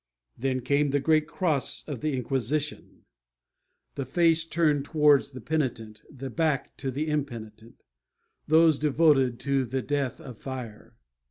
Then came the great Cross of the Inquisition; the face turned towards the penitent, the back to the impenitent those devoted to the death of fire.